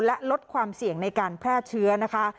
และลดความเสี่ยงในการแพร่เชื้อนะคะ